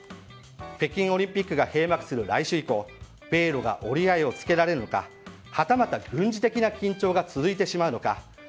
北京オリンピックが閉幕する来週以降米露が折り合いをつけられるのかはたまた軍事的な緊張が続いてしまうのか。